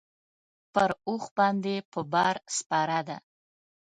پر اوښ باندې په بار کې سپره ده.